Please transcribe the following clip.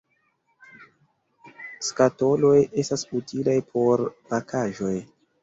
Skatoloj estas utilaj por pakaĵoj.